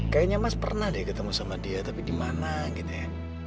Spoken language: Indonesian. kayaknya mas pernah deh ketemu sama dia tapi di mana gitu ya